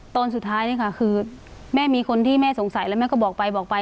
ตอนสุดท้ายนี่ค่ะคือแม่มีคนที่แม่สงสัยแล้วแม่ก็บอกไปบอกไป